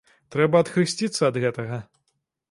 Трэба адхрысціцца ад гэтага.